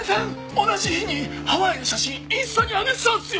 同じ日にハワイの写真インスタに上げてたんすよ！」